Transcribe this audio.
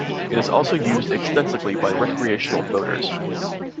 It is also used extensively by recreational boaters.